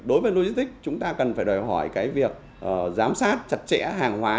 đối với logistics chúng ta cần phải đòi hỏi cái việc giám sát chặt chẽ hàng hóa